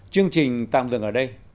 chương trình tạm dừng ở đây